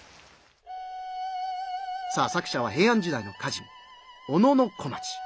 作者は平安時代の歌人小野小町。